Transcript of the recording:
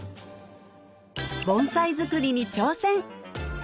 盆栽作りに挑戦